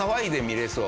そう。